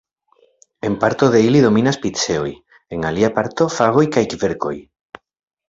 En parto de ili dominas piceoj, en alia parto fagoj kaj kverkoj.